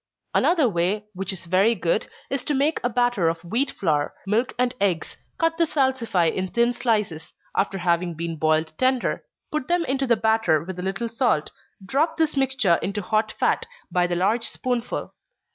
Another way which is very good, is to make a batter of wheat flour, milk and eggs; cut the Salsify in thin slices, (after having been boiled tender,) put them into the batter with a little salt; drop this mixture into hot fat, by the large spoonful.